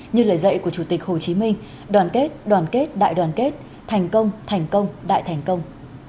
như lời dạy của chủ tịch hồ chí minh đoàn kết đoàn kết đại đoàn kết thành công thành công đại thành công